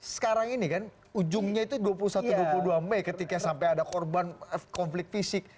sekarang ini kan ujungnya itu dua puluh satu dua puluh dua mei ketika sampai ada korban konflik fisik